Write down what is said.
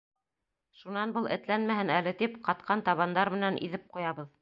Шунан был этләнмәһен әле тип, ҡатҡан табандар менән иҙеп ҡуябыҙ.